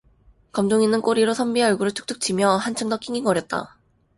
검둥이는 꼬리로 선비의 얼굴을 툭툭 치며 한층더 낑낑거렸다.